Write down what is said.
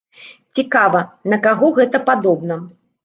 Цікава, на каго гэта падобна?